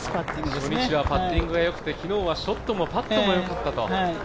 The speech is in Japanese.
初日はパッティングがよくて、昨日はショットもパットもよかったと。